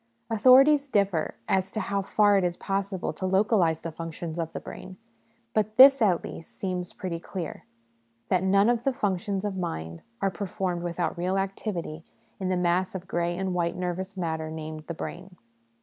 Authorities differ as to how far it is possible to localise the functions of the brain ; but this at least seems pretty clear that none of the functions of mind are performed without real activity in the mass of grey and white nervous matter named ' the brain.'